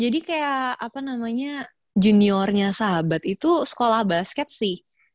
jadi kayak apa namanya juniornya sahabat itu sekolah basket sih